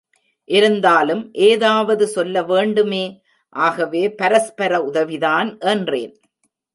இருந்தாலும் எதாவது சொல்லவேண்டுமே, ஆகவே பரஸ்பர உதவிதான் என்றேன்.